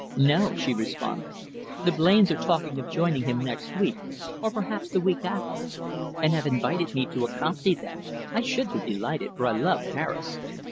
"No," she responded. "The Blains are talking of joining him next week, or perhaps the week after, and have invited me to accompany them. I should be delighted, for I love Paris."